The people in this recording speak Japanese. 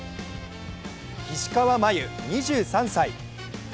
石川真佑２３歳。